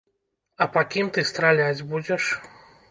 А па кім ты страляць будзеш?